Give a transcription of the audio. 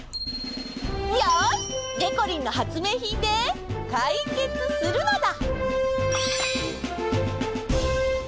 よしでこりんの発明品でかいけつするのだ。